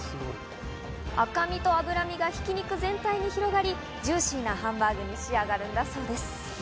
赤身と脂身が挽き肉全体に広がり、ジューシーなハンバーグに仕上がるんだそうです。